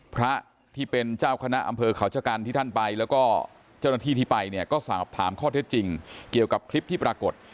พระที่เป็นเจ้าคณะอำเภอเขาชะกันที่ท่านไปแล้วก็เจ้าหน้าที่ที่ไปเนี่ยก็สอบถามข้อเท็จจริงเกี่ยวกับคลิปที่ปรากฏ